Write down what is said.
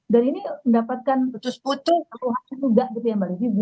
dan ini mendapatkan petunjuk petunjuk juga gitu ya mbak lidhi